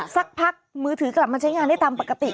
สักพักมือถือกลับมาใช้งานได้ตามปกติ